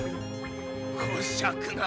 こしゃくな！